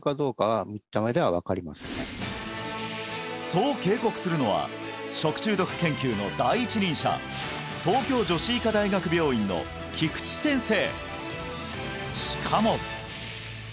そう警告するのは食中毒研究の第一人者東京女子医科大学病院の菊池先生